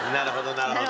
なるほど。